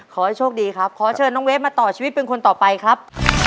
ขอให้โชคดีครับขอเชิญน้องเวฟมาต่อชีวิตเป็นคนต่อไปครับ